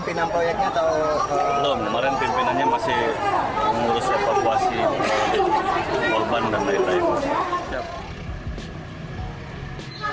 tapi belum kemarin pimpinannya masih mengurus evakuasi korban dan lain lain